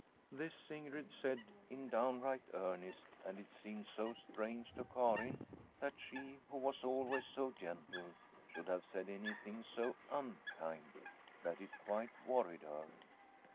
This Ingrid said in downright earnest, and it seemed so strange to Karin that she, who was always so gentle, should have said an3rthing so unkind, that it quite worried her.